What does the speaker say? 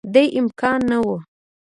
دې امکان نه وو